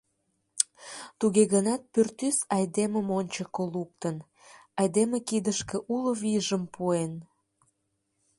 Туге гынат пӱртӱс айдемым ончыко луктын, айдеме кидышке уло вийжым пуэн.